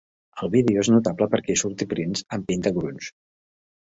El vídeo és notable perquè hi surt Prince amb "pinta grunge".